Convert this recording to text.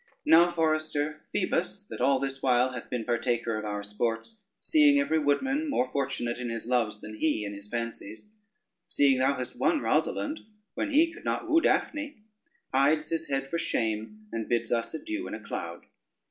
] "Now, forester, Phoebus that all this while hath been partaker of our sports, seeing every woodman more fortunate in his loves than he in his fancies, seeing thou hast won Rosalynde when he could not woo Daphne, hides his head for shame and bids us adieu in a cloud.